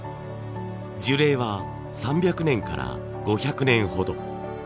樹齢は３００年から５００年ほど。